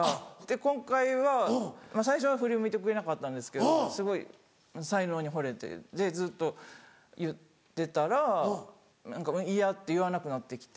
今回は最初は振り向いてくれなかったんですけどすごい才能にほれてずっと言ってたら嫌って言わなくなって来て。